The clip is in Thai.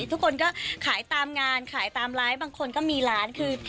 ทุกคนก็ขายตามงานขายตามไลฟ์บางคนก็มีร้านคือ